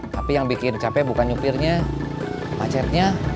tapi yang bikin capek bukan nyupirnya macetnya